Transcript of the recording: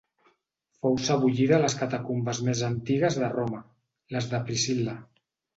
Fou sebollida a les catacumbes més antigues de Roma, les de Priscil·la.